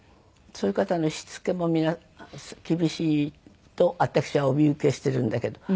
そういう方のしつけも厳しいと私はお見受けしているんだけど。